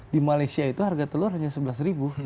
di malaysia itu harga telur hanya sebelas ribu